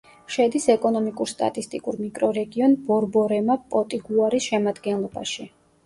შედის ეკონომიკურ-სტატისტიკურ მიკრორეგიონ ბორბორემა-პოტიგუარის შემადგენლობაში.